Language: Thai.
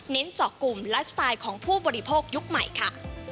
เจาะกลุ่มไลฟ์สไตล์ของผู้บริโภคยุคใหม่ค่ะ